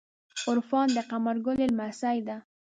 عرفان د قمر ګلی لمسۍ ده.